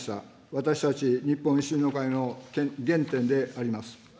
私たち日本維新の会の原点であります。